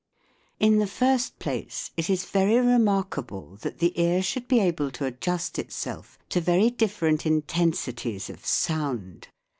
In the first place, it is very remarkable that the ear should be able to adjust itself to very different intensities of sound.